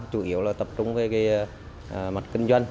chủ yếu là tập trung với mặt kinh doanh